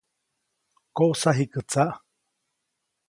‒¡Koʼsa jikä tsaʼ!‒.